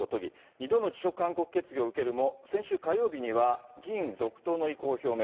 ２度の辞職勧告決議を受けるも、先週火曜日には、議員続投の意向を表明。